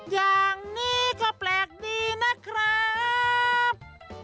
อย่างนี้ก็แปลกดีนะครับ